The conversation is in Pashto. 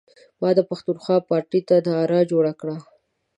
ما د پښتونخوا پارټۍ ته نعره جوړه کړه.